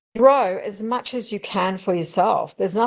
bisa tumbuh sebanyak yang bisa untuk diri sendiri